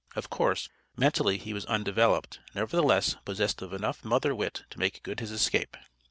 Of course, mentally he was undeveloped, nevertheless, possessed of enough mother wit to make good his escape.